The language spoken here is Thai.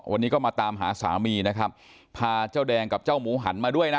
วันนี้ก็มาตามหาสามีนะครับพาเจ้าแดงกับเจ้าหมูหันมาด้วยนะ